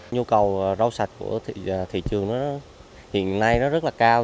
nhu cầu rau sạch của thị trường nó hiện nay nó rất là cao